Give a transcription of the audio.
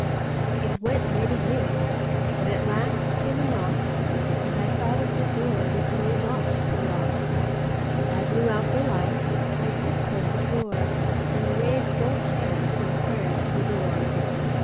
IT went many years, But at last came a knock, And I thought of the doorWith no lock to lock.I blew out the light,I tip toed the floor, And raised both handsIn prayer to the door.